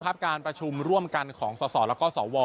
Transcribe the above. การประชุมร่วมกันของสสแล้วก็สว